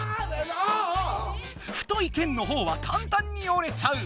太い剣のほうはかんたんに折れちゃう。